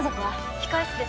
控え室です。